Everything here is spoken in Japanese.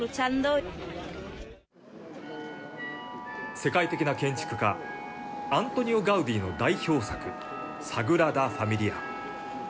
世界的な建築家、アントニオ・ガウディの代表作、サグラダ・ファミリア。